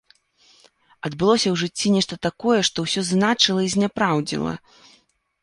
Адбылося ў жыцці нешта такое, што ўсё зыначыла і зняпраўдзіла.